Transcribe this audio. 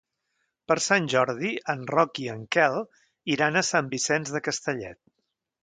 Per Sant Jordi en Roc i en Quel iran a Sant Vicenç de Castellet.